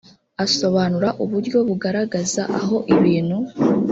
asobanura uburyo bugaragaza aho ibintu